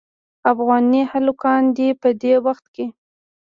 افغاني هلکان دې په دې وخت کې.